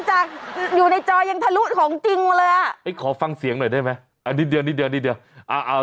อันนี่เดียว